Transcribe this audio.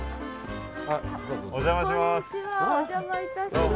お邪魔します。